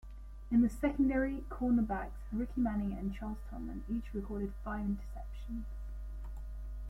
In the secondary, cornerbacks Ricky Manning and Charles Tillman each recorded five interceptions.